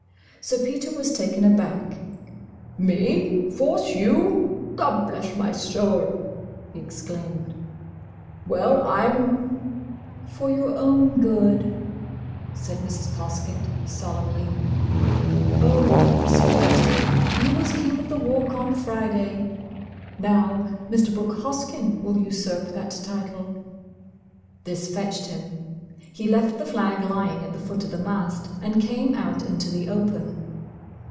Sir Peter was taken aback. "Me! Force you! Gobblessmysoul!" he exclaimed, "Well, I'm—" "For your own good," said Mrs. Poskett, solemnly. "Oh, Sir Peter, you was King of the Walk on Friday. Now Mr. Brooke Hoskyn will usurp that title." This fetched him. He left the flag lying at the foot of the mast, and came out into the open.